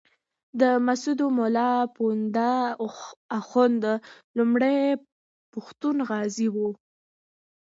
د مسودو ملا پوونده اخُند لومړی پښتون غازي وو.